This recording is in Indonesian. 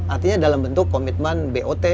artinya dalam bentuk komitmen bot